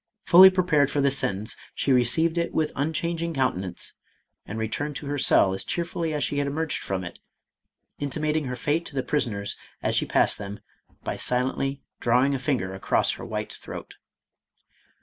Fully prepared for this sentence, she received it with unchanging coun tenance, and returned to her cell as cheerfully as she had emerged from it, intimating her fate to the prison ers, as she passed them, by silently drawing a finger across her white throat.